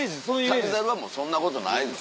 『旅猿』はそんなことないです。